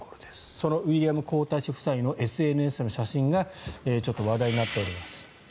そのウィリアム皇太子夫妻のＳＮＳの写真がちょっと話題になっております。